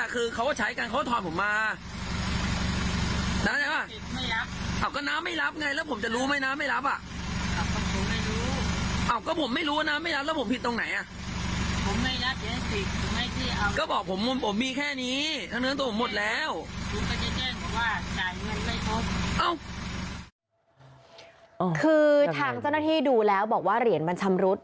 คือทางเจ้าหน้าที่ดูแล้วบอกว่าเหรียญมันชำรุด